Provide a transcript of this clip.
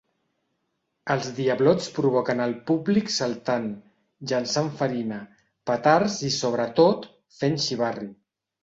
Els diablots provoquen el públic saltant, llençant farina, petards i sobretot, fent xivarri.